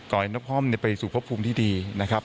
ก่อนให้นครมไปสุภาพภูมิที่ดีนะครับ